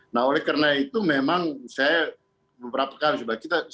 nah oleh karena itu memang saya beberapa kali sudah kita